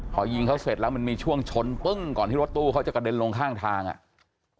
พอยิงเขาเสร็จแล้วมันมีช่วงชนปึ้งก่อนที่รถตู้เขาจะกระเด็นลงข้างทางอ่ะ